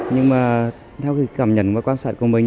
nhưng mà theo cái cảm nhận và quan sát của mình